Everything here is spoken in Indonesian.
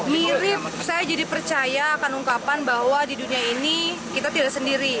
mirip saya jadi percaya akan ungkapan bahwa di dunia ini kita tidak sendiri